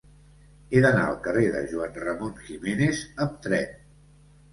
He d'anar al carrer de Juan Ramón Jiménez amb tren.